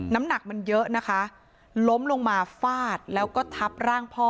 น้ำหนักมันเยอะนะคะล้มลงมาฟาดแล้วก็ทับร่างพ่อ